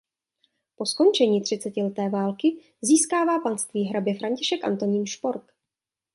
Po skončení třicetileté války získává panství hrabě František Antonín Špork.